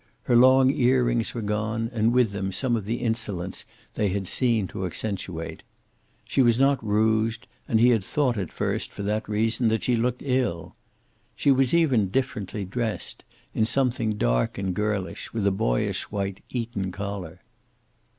Her long ear rings were gone, and with them some of the insolence they had seemed to accentuate. She was not rouged, and he had thought at first, for that reason, that she looked ill. She was even differently dressed, in something dark and girlish with a boyish white Eton collar.